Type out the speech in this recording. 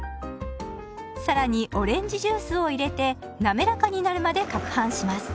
更にオレンジジュースを入れてなめらかになるまでかくはんします。